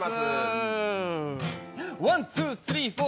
ワン・ツー・スリー・フォー。